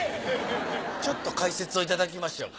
ちょっと解説をいただきましょうか。